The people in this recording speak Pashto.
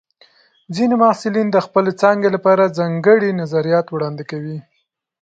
ځینې محصلین د خپلې څانګې لپاره ځانګړي نظریات وړاندې کوي.